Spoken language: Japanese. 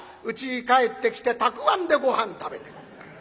うちに帰ってきてたくあんでごはん食べて。